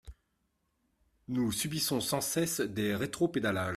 Nous subissons sans cesse des rétropédalages.